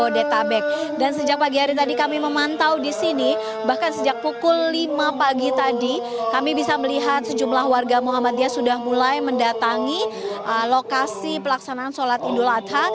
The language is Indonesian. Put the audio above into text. di sini bahkan sejak pukul lima pagi tadi kami bisa melihat sejumlah warga muhammadiyah sudah mulai mendatangi lokasi pelaksanaan sholat idul adha